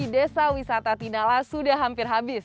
desa wisata tinala sudah hampir habis